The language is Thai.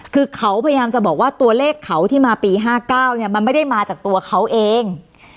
คือเขาพยายามจะบอกว่าตัวเลขเขาที่มาปี๕๙เนี่ยมันไม่ได้มาจากตัวเขาเอง